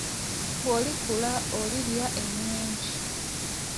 Bw'olikula olirya ennyingi.